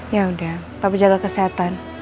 yaudah papa jaga kesehatan